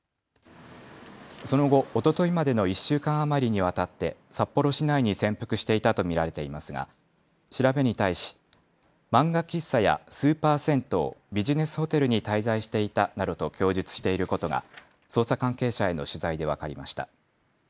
その後、おとといまでの１週間余りにわたって札幌市内に潜伏していたと見られていますが調べに対し、漫画喫茶やスーパー銭湯、ビジネスホテルに滞在していたなどと供述していることが捜査関係者への取材で分かりました。